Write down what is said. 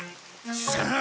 さあ